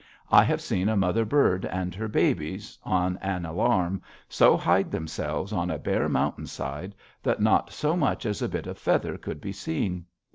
I have seen a mother bird and her babies, on an alarm, so hide themselves on a bare mountain side that not so much as a bit of feather could be seen.